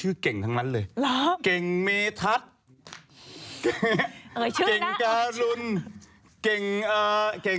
เอายะชื่อ